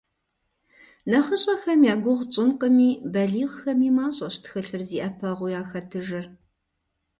НэхъыщӀэхэм я гугъу тщӀынкъыми, балигъхэми мащӀэщ тхылъыр зи Ӏэпэгъуу яхэтыжыр.